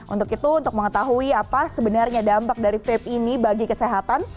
untuk itu untuk mengetahui apa sebenarnya dampak dari vape ini bagi kesehatan